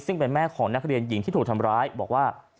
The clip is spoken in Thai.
ซึ่งเป็นแม่ของนักเรียนหญิงที่ถูกทำร้ายบอกว่า